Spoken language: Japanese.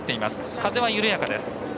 風は緩やかです。